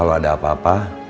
kalau ada apa apa